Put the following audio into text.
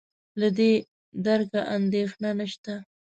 له دې درکه اندېښنه نشته.